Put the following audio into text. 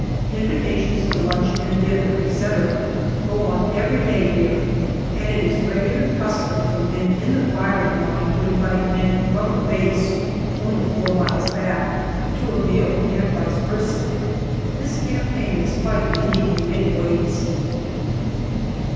Invitations to lunch and dinner, etc., go on every day here, and it is a regular custom for men in the firing line to invite men from the base (only four miles back) to a meal and vice versa. This campaign is quite unique in many ways.